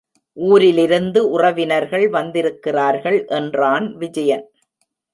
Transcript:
ஊரிலிருந்து உறவினர்கள் வந்திருக்கிறார்கள், என்றான் விஜயன்.